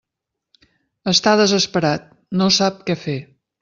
Està desesperat, no sap què fer.